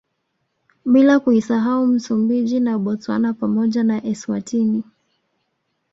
Bila kuisahau Msumbiji na Botswana pamoja na Eswatini